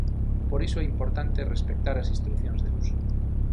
Por iso é importante respectar as instrucións de uso.